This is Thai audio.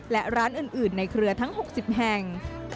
และร้านอื่นในเครือทั้ง๖๐แห่ง